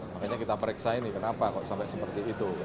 makanya kita periksa ini kenapa kok sampai seperti itu